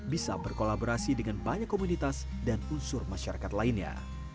bisa berkolaborasi dengan banyak komunitas dan unsur masyarakat lainnya